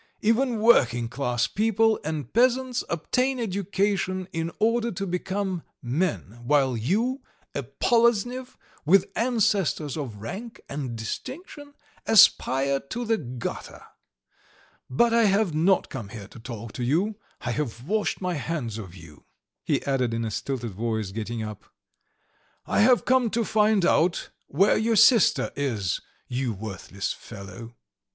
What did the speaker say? Even working class people and peasants obtain education in order to become men, while you, a Poloznev, with ancestors of rank and distinction, aspire to the gutter! But I have not come here to talk to you; I have washed my hands of you " he added in a stifled voice, getting up. "I have come to find out where your sister is, you worthless fellow.